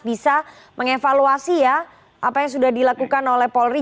bisa mengevaluasi ya apa yang sudah dilakukan oleh polri